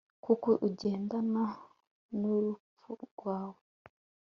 kuko ugendana n'urupfu rwawe